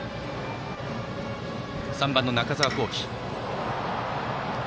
３番の中澤恒貴。